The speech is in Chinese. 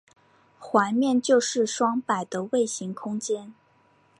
环面就是双摆的位形空间。